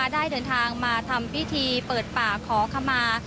ได้เดินทางมาทำพิธีเปิดป่าขอขมา